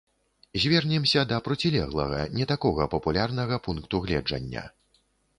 Звернемся да процілеглага, не такога папулярнага пункту гледжання.